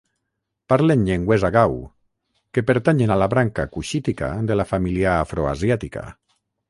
Parlen llengües agaw, que pertanyen a la branca cushítica de la família afroasiàtica.